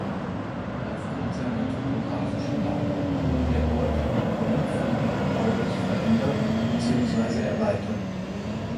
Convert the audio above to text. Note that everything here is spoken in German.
Aufgrund seiner topografischen Lage wurde der Ort nur geringfügig baulich verändert beziehungsweise erweitert.